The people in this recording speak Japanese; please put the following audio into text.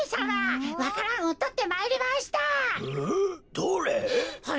どれ？